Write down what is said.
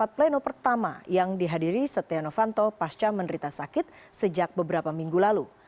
pleno pertama yang dihadiri setia novanto pasca menderita sakit sejak beberapa minggu lalu